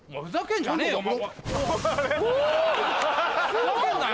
ふざけんなよ